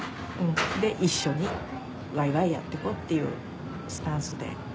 で一緒にワイワイやって行こうっていうスタンスで。